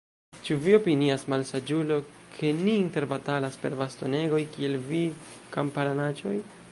Ĉu vi opinias, malsaĝulo, ke ni interbatalas per bastonegoj, kiel vi, kamparanaĉoj?